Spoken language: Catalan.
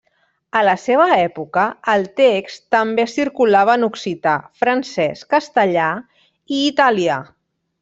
A la seva època el text també circulava en occità, francès, castellà i italià.